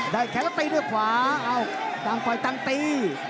ได้แข็งแล้วตีด้วยขวาเอ้าตั้งไฟตั้งตี